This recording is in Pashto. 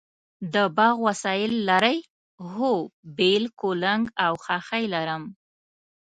د باغ وسایل لرئ؟ هو، بیل، کلنګ او خاښۍ لرم